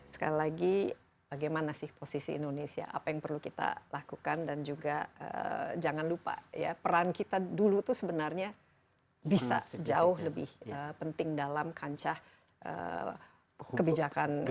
sekali lagi bagaimana sih posisi indonesia apa yang perlu kita lakukan dan juga jangan lupa ya peran kita dulu itu sebenarnya bisa jauh lebih penting dalam kancah kebijakan ini